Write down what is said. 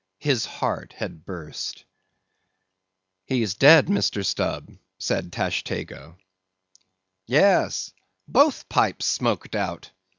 His heart had burst! "He's dead, Mr. Stubb," said Daggoo. "Yes; both pipes smoked out!"